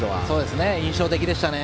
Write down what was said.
印象的でしたね。